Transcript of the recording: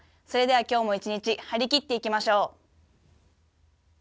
それでは、今日も一日張り切っていきましょう。